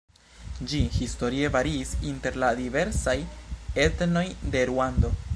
Ĝi historie variis inter la diversaj etnoj de Ruando.